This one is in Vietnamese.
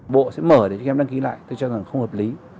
bộ sẽ mở để cho các em đăng ký lại tôi cho rằng không hợp lý